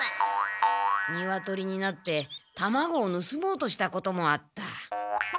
ニワトリになって卵をぬすもうとしたこともあった。